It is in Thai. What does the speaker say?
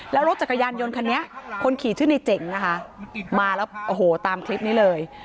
แล้วรถจักรยานยนต์คันนี้คนขี่ชื่อในเจ๋งนะคะมาแล้วโอ้โหตามคลิปนี้เลย